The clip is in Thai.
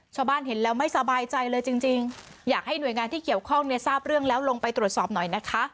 ชาวบ้านเห็นแล้วไม่สบายใจเลยจริงจริงอยากให้หน่วยงานที่เกี่ยวข้องเนี่ยทราบเรื่องแล้วลงไปตรวจสอบหน่อยนะคะ